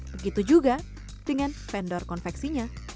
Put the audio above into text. begitu juga dengan vendor konveksinya